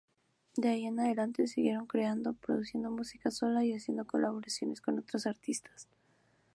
De ahí en adelante siguieron creando. Produciendo música sola y haciendo colaboraciones con otros artistas.